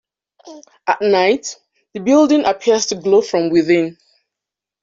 At night, the building appears to glow from within.